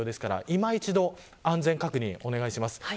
今一度安全確認をお願いします。